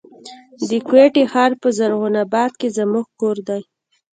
د کوټي ښار په زرغون آباد کي زموږ کور دی.